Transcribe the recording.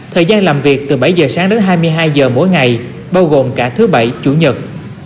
thời gian làm việc từ bảy giờ sáng đến hai mươi hai giờ mỗi ngày bao gồm cả thứ bảy chủ nhật